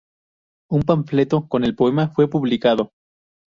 Un panfleto con el poema fue publicado.